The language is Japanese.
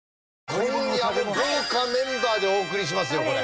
今夜も豪華メンバーでお送りしますよこれ。